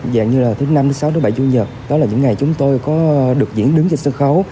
dạng như là thứ năm sáu bảy bảy bảy đó là những ngày chúng tôi có được diễn đứng trên sân khấu